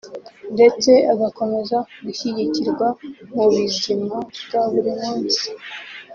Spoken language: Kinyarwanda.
ndetse agakomeza gushyigikirwa mu bizima bwa buri munsi